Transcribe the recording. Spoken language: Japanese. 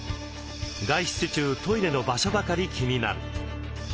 外出中トイレの場所ばかり気になる。